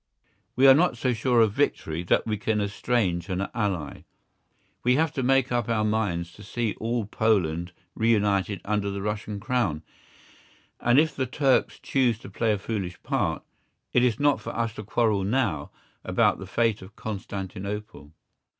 We are not so sure of victory that we can estrange an ally. We have to make up our minds to see all Poland reunited under the Russian Crown, and if the Turks choose to play a foolish part, it is not for us to quarrel now about the fate of Constantinople.